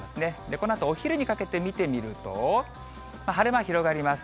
このあとお昼にかけて見てみると、晴れ間広がります。